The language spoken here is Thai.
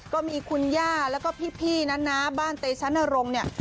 ก็มีคุณย่าแล้วก็พี่นั้นนะบ้านเตชะนรงค์เนี่ย